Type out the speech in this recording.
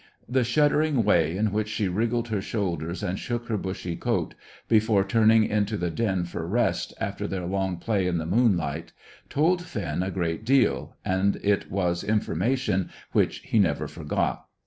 The shuddering way in which she wriggled her shoulders and shook her bushy coat before turning into the den for rest after their long play in the moonlight, told Finn a good deal, and it was information which he never forgot.